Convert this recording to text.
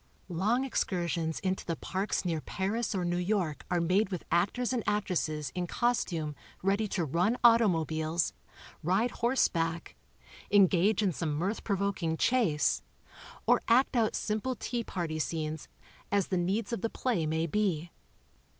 Long excursions into the parks near Paris or New York are made with actors and actresses in costume ready to run auto mobiles, ride horseback, engage in some mirth provoking chase or act out simple tea party scenes, as the needs of the play may be.